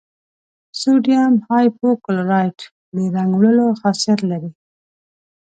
سوډیم هایپو کلورایټ د رنګ وړلو خاصیت لري.